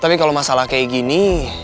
tapi kalau masalah kayak gini